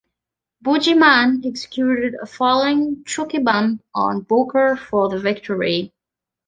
Boogeyman executed a Falling Chokebomb on Booker for the victory.